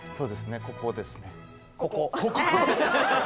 ここですね。